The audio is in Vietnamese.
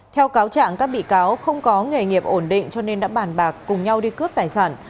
theo cáo trạng các bị cáo không có nghề nghiệp ổn định cho nên đã bàn bạc cùng nhau đi cướp tài sản